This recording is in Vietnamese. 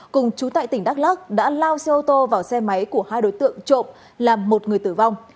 cùng chú tại tỉnh đắk lắc đã lao xe ô tô vào xe máy của hai đối tượng trộm làm một người tử vong